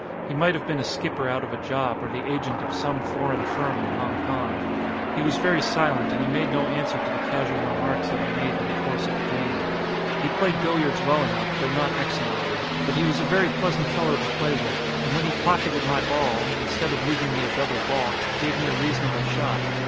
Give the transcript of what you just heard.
He might have been 162 A GAME OF BILLIARDS a skipper out of a job or the agent of some foreign firm in Hong Kong. He was very silent and he made no answer to the casual remarks that I made in the course of the game. He played billiards well enough, though not excellently, but he was a very pleasant fellow to play with; and when he pock eted my ball, instead of leaving me a double balk, gave me a reasonable shot.